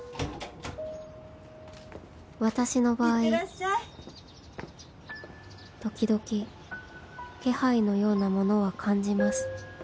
［私の場合時々気配のようなものは感じます］